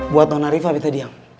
buat nona riva gitu diam